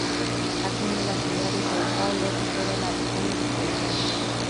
Atiende la ciudad de São Paulo y toda la región metropolitana.